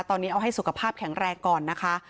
ตอนนี้เอาให้สุขภาพแข็งแรงก่อนนะคะ